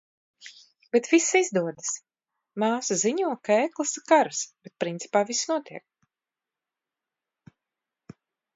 Bet viss izdodas. Māsa ziņo, ka e-klase "karas", bet principā viss notiek.